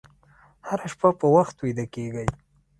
هره شپه په وخت ویده کېږئ.